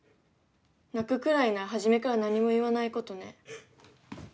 泣くくらいなら初めから何も言わないことね。